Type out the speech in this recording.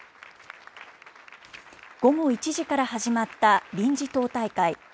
午後１時から始まった臨時党大会。